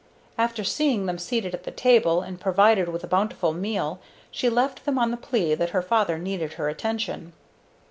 After seeing them seated at the table and provided with a bountiful meal, she left them on the plea that her father needed her attention.